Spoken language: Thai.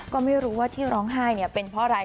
ก็ไม่รู้ว่าที่ร้องไห้เป็นเพราะอะไร